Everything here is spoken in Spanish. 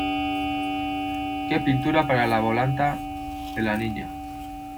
¡ qué pintura para la volanta de la Niña!